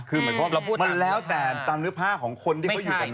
คือหมายความว่ามันแล้วแต่ตามเนื้อผ้าของคนที่เขาอยู่ตรงนั้น